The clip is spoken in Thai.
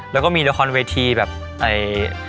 แล้วก็มีละครเวทีแบบเอ่อ